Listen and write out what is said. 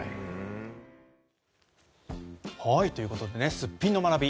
すっぴんの学び。